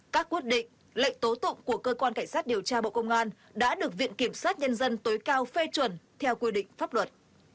các quyết định lệnh tố tụng của cơ quan cảnh sát điều tra bộ công an đã được viện kiểm sát nhân dân tối cao phê chuẩn theo quy định pháp luật